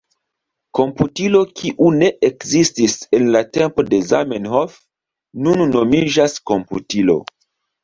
Komputilo, kiu ne ekzistis en la tempo de Zamenhof, nun nomiĝas komputilo.